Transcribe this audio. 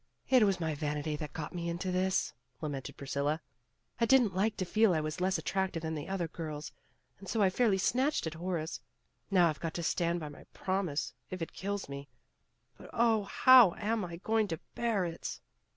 "It was my vanity that got me into this," lamented Priscilla. '' I didn 't like to feel I was less attractive than the other girls and so I fairly snatched at Horace. Now I've got to stand by my promise if it kills me, but Oh, how am I going to bear it!"